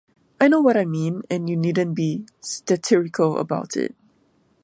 I know what I mean, and you needn't be 'statirical' about it.